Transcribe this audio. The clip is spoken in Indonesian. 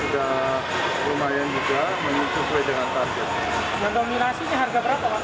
sudah lumayan juga menyesuaikan dengan target